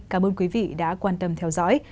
cảm ơn quý vị đã quan tâm theo dõi